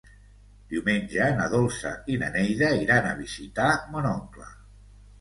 Diumenge na Dolça i na Neida iran a visitar mon oncle.